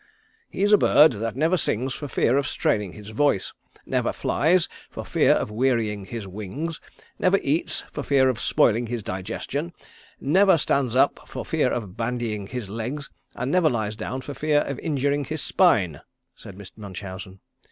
"He's a bird that never sings for fear of straining his voice; never flies for fear of wearying his wings; never eats for fear of spoiling his digestion; never stands up for fear of bandying his legs and never lies down for fear of injuring his spine," said Mr. Munchausen.